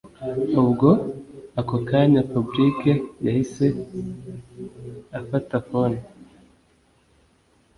ubwo ako kanya fabric yahise afata phone